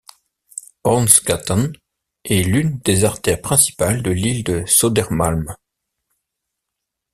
Hornsgatan est l'une des artères principales de l'île de Södermalm.